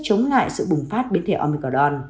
chống lại sự bùng phát biến thể omicron